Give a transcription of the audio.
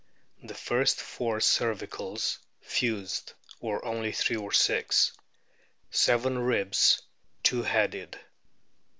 The first four cervicals fused, or only three or six. Seven ribs two headed.